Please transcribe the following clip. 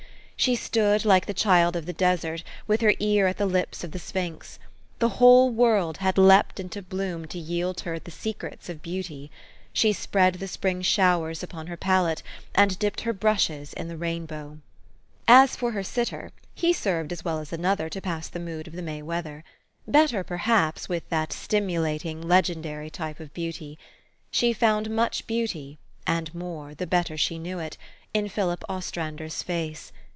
She stood like the child of the desert, with her ear THE STORY OF AVIS. 97 at the lips of the sphinx. The whole world_had leaped into bloom to yield her the secrets of beauty. She spread the spring showers upon her palette, and dipped her brushes in the rainbow. As for her sitter, he served as well as another to pass the mood of the May weather ; better, perhaps, with that stimulating, legendary type of beauty. She found much beauty and more, the better she knew it in Philip Ostrander's face.